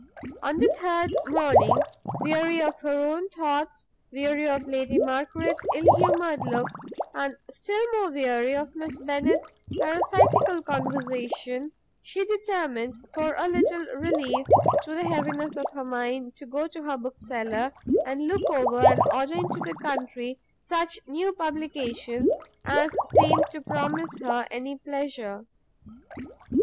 On the third morning, weary of her own thoughts, weary of Lady Margaret's ill humoured looks, and still more weary of Miss Bennet's parasitical conversation, she determined, for a little relief to the heaviness of her mind, to go to her bookseller, and look over and order into the country such new publications as seemed to promise her any pleasure.